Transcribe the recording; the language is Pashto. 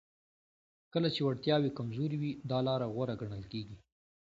کله چې وړتیاوې کمزورې وي دا لاره غوره ګڼل کیږي